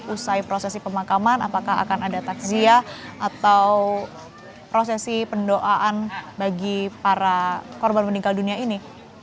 usai prosesi pemakaman apakah akan ada takziah atau prosesi pendoaan bagi para korban meninggal dunia ini